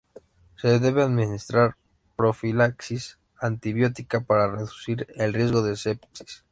Se debe administrar profilaxis antibiótica para reducir el riesgo de sepsis.